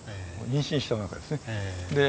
妊娠したおなかですね。